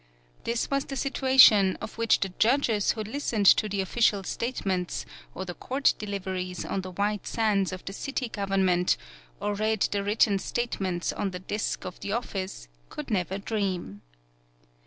This was the situation of which the judges who listened to the official statements or the court deliveries on the white sands of the city govern ment, or read the written statements on the desk of the office, could never dream.